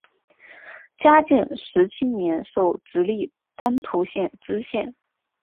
嘉靖十七年授直隶丹徒县知县。